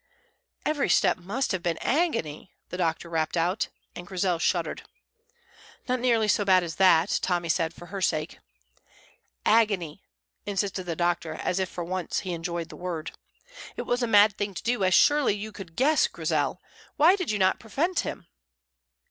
"Every step must have been agony," the doctor rapped out; and Grizel shuddered. "Not nearly so bad as that," Tommy said, for her sake. "Agony," insisted the doctor, as if, for once, he enjoyed the word. "It was a mad thing to do, as surely you could guess, Grizel. Why did you not prevent him?"